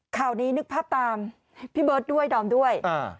ข่าวนี้นึกภาพตามพี่เบิร์ตด้วยดอมด้วย